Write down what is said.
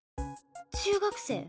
中学生？